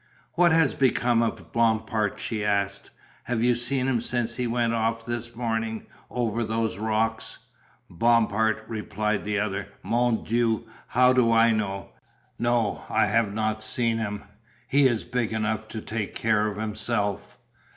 "What has become of Bompard?" she asked. "Have you seen him since he went off this morning over those rocks?" "Bompard," replied the other, "Mon Dieu! How do I know? No, I have not seen him, he is big enough to take care of himself."